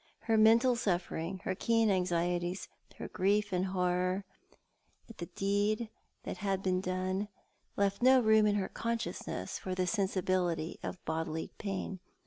Her mental suffering, her keen anxieties, her grief and horror at the deed 152 Tkoit art the Man. that luad been done, left no room in her consciousness for the sensation of bodily pain.